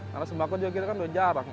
karena sembako juga kita kan udah jarang